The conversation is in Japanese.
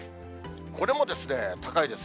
これも高いです。